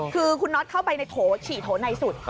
คือคุณน็อตเข้าไปในโถฉี่โถในสุด